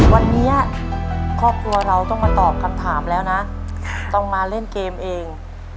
วันนี้ครอบครัวเราต้องมาตอบคำถามแล้วนะต้องมาเล่นเกมเอง